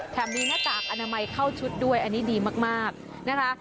หน้ามีหน้ากากอนามัยเข้าชุดด้วยอันนี้ดีมากนะคะ